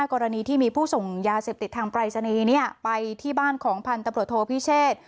กรณีที่มีผู้ส่งยาเสมไปที่บ้านของพันธวรษโทพิเชษ